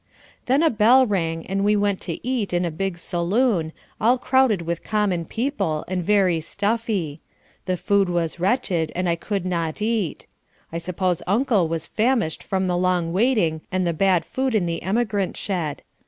Then a bell rang and we went to eat in a big saloon, all crowded with common people, and very stuffy. The food was wretched, and I could not eat. I suppose Uncle was famished from the long waiting and the bad food in the emigrant shed.